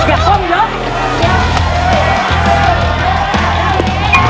สีสูงเยอะแล้วนะ